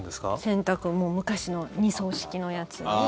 洗濯もう昔の２槽式のやつに。